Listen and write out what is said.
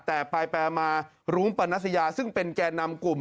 แต่ไปมารุ้งปนัสยาซึ่งเป็นแก่นำกลุ่ม